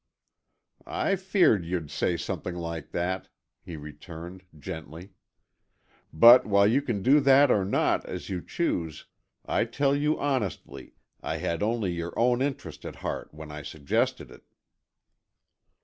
"I feared you'd say something like that," he returned, gently. "But while you can do that or not, as you choose, I tell you honestly, I had only your own interest at heart When I suggested it."